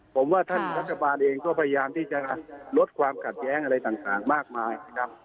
ผมว่าท่านรัฐบาลเองก็พยายามที่จะลดความขัดแย้งอะไรต่างมากมายนะครับ